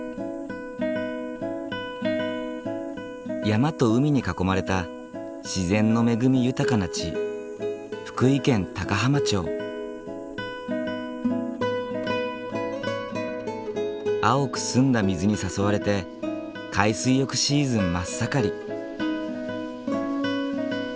山と海に囲まれた自然の恵み豊かな地青く澄んだ水に誘われて海水浴シーズン真っ盛り。